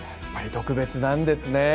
やっぱり特別なんですね。